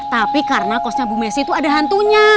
tapi karena kosnya bu messi itu ada hantunya